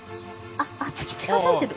あっ月近づいてる！